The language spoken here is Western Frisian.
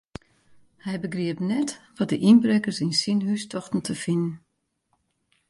Hy begriep net wat de ynbrekkers yn syn hús tochten te finen.